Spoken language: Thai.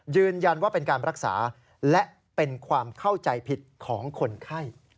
ยืนยันว่าเป็นการรักษาและเป็นความเข้าใจผิดของคนไข้